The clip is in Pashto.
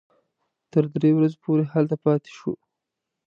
تر درې ورځو پورې هلته پاتې شوو.